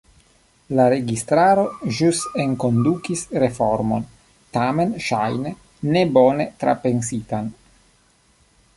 La registaro ĵus enkondukis reformon, tamen ŝajne ne bone trapensitan.